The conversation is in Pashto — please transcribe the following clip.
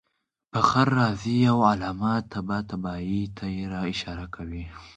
فخر رازي او علامه طباطبايي ته اشاره کوي.